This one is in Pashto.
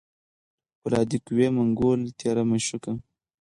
پولادي قوي منګول تېره مشوکه